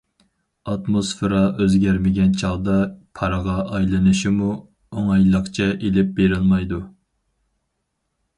ئاتموسفېرا ئۆزگەرمىگەن چاغدا پارغا ئايلىنىشىمۇ ئوڭايلىقچە ئېلىپ بېرىلمايدۇ.